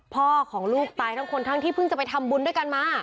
พ่อของลูกตายทั้งคนทั้งที่เพิ่งจะไปทำบุญด้วยกันมา